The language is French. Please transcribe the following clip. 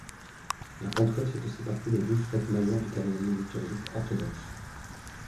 La Pentecôte fait aussi partie des douze fêtes majeures du calendrier liturgique orthodoxe.